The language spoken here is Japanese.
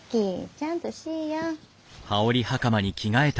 ちゃんとしいや。